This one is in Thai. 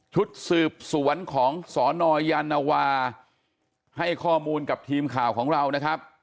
ชุดสืบสวนของสนยานวาให้ข้อมูลกับทีมข่าวของเรานะครับ